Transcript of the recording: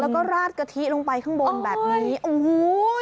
แล้วก็ราดกะทิลงไปข้างบนแบบนี้โอ้โห